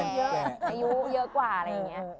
เยอะอายุเยอะกว่าอะไรอย่างนี้